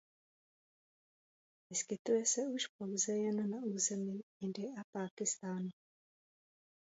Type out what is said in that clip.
Vyskytuje se už pouze jen na území Indie a Pákistánu.